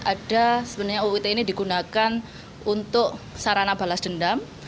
ada sebenarnya uut ini digunakan untuk sarana balas dendam